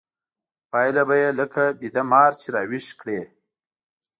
پايله به يې لکه ويده مار چې راويښ کړې.